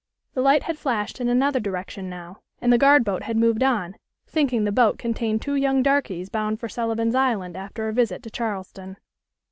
The light had flashed in another direction now, and the guard boat had moved on, thinking the boat contained two young darkies bound for Sullivan's Island after a visit to Charleston.